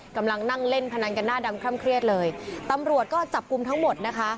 กำลังนั่งเล่นพนันกันหน้าดำคร่ำเครียดเลยตำรวจก็จับกลุ่มทั้งหมดนะคะ